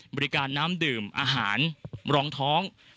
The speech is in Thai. บริการน้ำดื่มอาหารรองท้อง